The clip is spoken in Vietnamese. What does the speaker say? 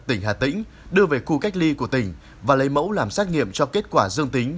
tỉnh hà tĩnh đưa về khu cách ly của tỉnh và lấy mẫu làm xét nghiệm cho kết quả dương tính